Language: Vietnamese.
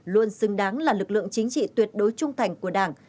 luôn xứng đáng là lực lượng chính trị tuyệt đối trung thành của đảng